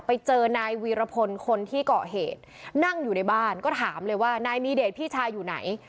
ไปเจอนายวีรพลคนที่เกาะเหตุนั่งอยู่ในบ้านก็ถามเลยว่านายมีเดชพี่ชายอยู่ไหน